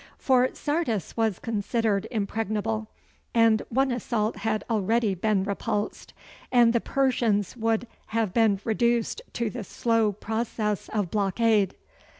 For Sardis was considered impregnable and one assault had already been repulsed, and the Persians would have been reduced to the slow process of blockade.